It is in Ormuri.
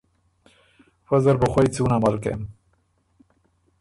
فۀ زر بُو خوئ څُون عمل کېم۔